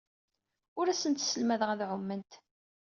Ur asent-sselmadeɣ ad ɛument.